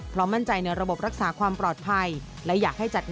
เพราะมั่นใจในระบบรักษาความปลอดภัย